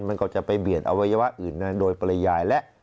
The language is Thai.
มันก็จะไปเบียดอวัยวะอื่นโดยปริยายแล้ว